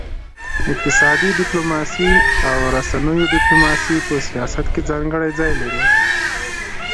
اقتصادي ډيپلوماسي او د رسنيو ډيپلوماسي په سیاست کي ځانګړی ځای لري.